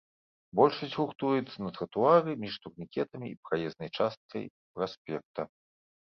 Большасць гуртуецца на тратуары між турнікетамі і праезнай часткай праспекта.